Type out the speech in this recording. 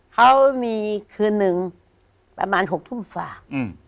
เขามีคืนหนึ่งประมาณ๖ทุ่มฝาก